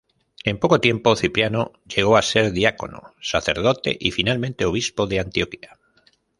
En poco tiempo, Cipriano llegó a ser diácono, sacerdote y finalmente obispo de Antioquía.